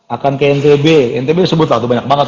akan ke ntb ntb sebut lah tuh banyak banget